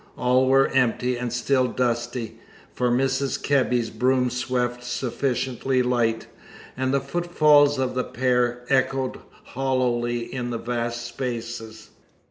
All were empty and still dusty, for Mrs. Kebby's broom swept sufficiently light, and the footfalls of the pair echoed hollowly in the vast spaces.